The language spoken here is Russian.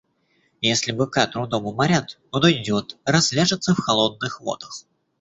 Если быка трудом уморят — он уйдет, разляжется в холодных водах.